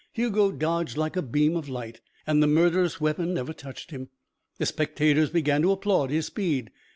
Hugo dodged like a beam of light, and the murderous weapon never touched him. The spectators began to applaud his speed.